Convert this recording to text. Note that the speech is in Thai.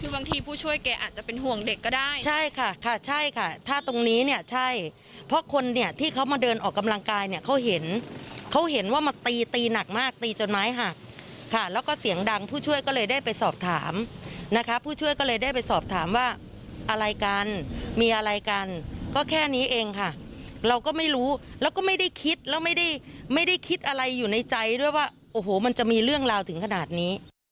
บางทีผู้ช่วยแกอาจจะเป็นห่วงเด็กก็ได้ใช่ค่ะค่ะใช่ค่ะถ้าตรงนี้เนี่ยใช่เพราะคนเนี่ยที่เขามาเดินออกกำลังกายเนี่ยเขาเห็นเขาเห็นว่ามาตีตีหนักมากตีจนไม้หักค่ะแล้วก็เสียงดังผู้ช่วยก็เลยได้ไปสอบถามนะคะผู้ช่วยก็เลยได้ไปสอบถามว่าอะไรกันมีอะไรกันก็แค่นี้เองค่ะเราก็ไม่รู้แล้วก็ไม่ได้คิดแล้วไม่ได้ไม่ได้คิดอะไรอยู่ในใจด้วยว่าโอ้โหมันจะมีเรื่องราวถึงขนาดนี้